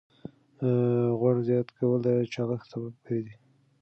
غوړ زیات کول د چاغښت سبب ګرځي.